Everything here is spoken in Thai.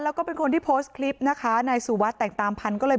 แล้วก็เป็นคนที่โพสต์คลิปนะคะนายสุวัสดิแต่งตามพันธุ์ก็เลย